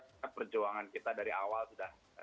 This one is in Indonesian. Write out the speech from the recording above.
karena perjuangan kita dari awal sudah